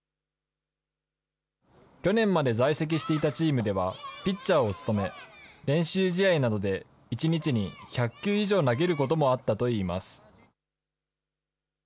去年まで在籍していたチームではピッチャーを務め、練習試合などで１日に１００球以上投げることもあったといいます。